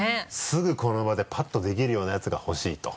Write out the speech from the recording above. すぐこの場でパッとできるようなやつが欲しいと。